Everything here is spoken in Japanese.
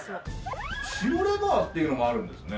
白レバーっていうのもあるんですね。